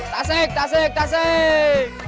tasik tasik tasik